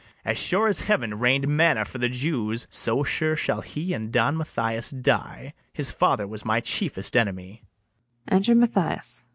As sure as heaven rain'd manna for the Jews, So sure shall he and Don Mathias die: His father was my chiefest enemy.